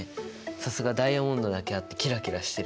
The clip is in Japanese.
さすがダイヤモンドだけあってキラキラしてる！